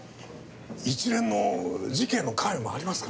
一連の事件の関与もありますからね。